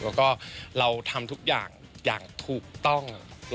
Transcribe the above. แล้วก็เราทำทุกอย่างอย่างถูกต้อง